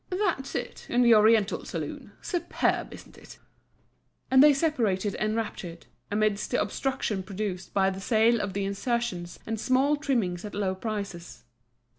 "That's it, in the oriental saloon—Superb, isn't it?" And they separated enraptured, amidst the obstruction produced by the sale of the insertions and small trimmings at low prices.